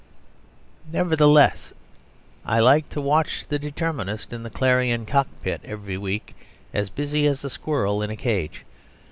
Nevertheless, I like to watch the Determinist in the "Clarion" Cockpit every week, as busy as a squirrel in a cage.